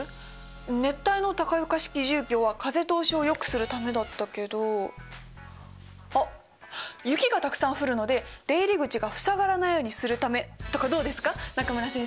熱帯の高床式住居は風通しをよくするためだったけどあっ雪がたくさん降るので出入り口が塞がらないようにするため！とかどうですか中村先生？